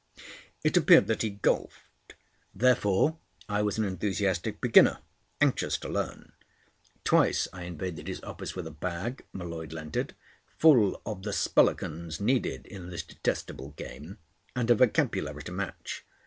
It appeared that he golfed. Therefore, I was an enthusiastic beginner, anxious to learn. Twice I invaded his office with a bag (M'Leod lent it) full of the spelicans needed in this detestable game, and a vocabulary to match.